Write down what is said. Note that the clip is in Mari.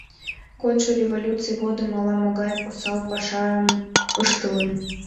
Кодшо революций годым ала-могай осал пашам ыштылын.